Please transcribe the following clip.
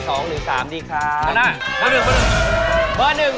เมอร์หนึ่งครับเมอร์หนึ่ง